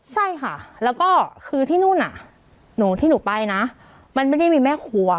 ใช่ค่ะแล้วก็คือที่นู่นที่หนูไปนะมันไม่ได้มีแม่ครัว